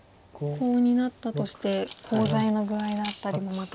コウになったとしてコウ材の具合だったりもまた。